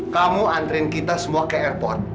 kamu antren kita semua ke airport